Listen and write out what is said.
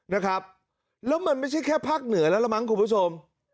แล้วมันไม่ใช่แค่ภาคเหนือแล้วล่ะไหมครับคุณผู้ชม